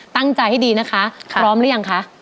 ตั้งใจให้ดีนะคะพร้อมหรือยังคะ